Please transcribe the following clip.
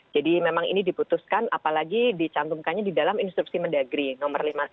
jadi memang ini diputuskan apalagi dicantumkannya di dalam instruksi mendagri no lima puluh tiga